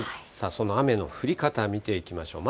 その雨の降り方、見ていきましょう。